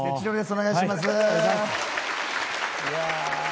お願いします。